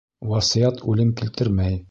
Васыят үлем килтермәй.